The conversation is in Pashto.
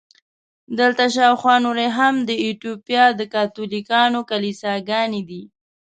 دلته شاوخوا نورې هم د ایټوپیا د کاتولیکانو کلیساګانې دي.